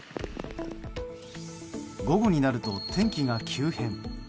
午後になると天気が急変。